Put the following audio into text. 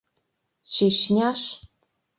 Чечняш?..